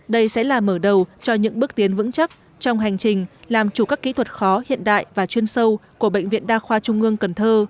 đây sẽ là mở đầu cho những bước tiến vững chắc trong hành trình làm chủ các kỹ thuật khó hiện đại và chuyên sâu của bệnh viện đa khoa trung ương cần thơ